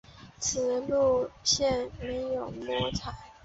此条路线没有摸彩